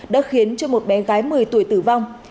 đã khiến cho một bé gái một mươi tuổi tử vong